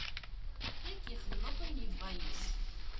Yak ixdem akk ayen yebɣa yes-s.